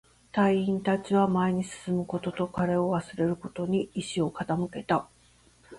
隊員達は前に進むことと、彼を忘れることに意志を傾けた